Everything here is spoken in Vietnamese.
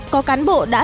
có cán bộ trung ương